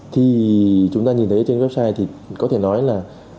thì chúng ta nhìn thấy trên website thì có thể nói là